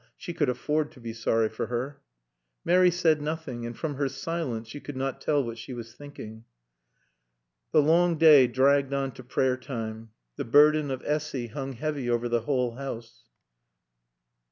She could afford to be sorry for her. Mary said nothing, and from her silence you could not tell what she was thinking. The long day dragged on to prayer time. The burden of Essy hung heavy over the whole house.